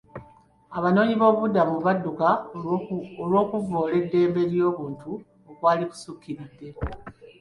Abanoonyiboobubudamu badduka olw'okuvvoola kw'eddembe ly'obuntu okwali kusukkiridde.